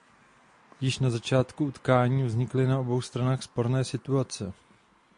Již na začátku utkání vznikly na obou stranách sporné situace.